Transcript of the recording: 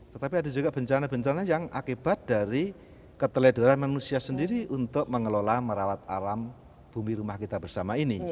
tetapi ada juga bencana bencana yang akibat dari keteledoran manusia sendiri untuk mengelola merawat alam bumi rumah kita bersama ini